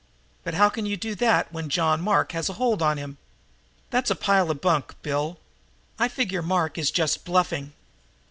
"But how can you do that when John Mark has a hold on him?" "That's a pile of bunk, Bill. I figure Mark is just bluffing.